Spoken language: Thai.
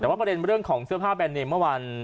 แต่ว่าประเด็นเรื่องของเสื้อผ้าแบรนเนมเมื่อวาน